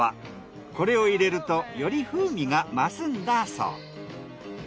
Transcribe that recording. これを入れるとより風味が増すんだそう。